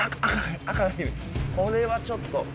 これはちょっと。